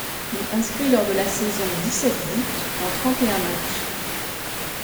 Il inscrit lors de la saison dix-sept buts en trente-et-un matchs.